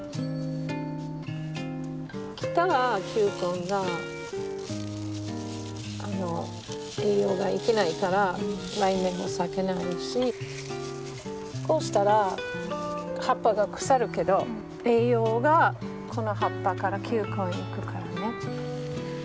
切ったら球根が栄養がいかないから来年も咲かないしこうしたら葉っぱが腐るけど栄養がこの葉っぱから球根へ行くからね。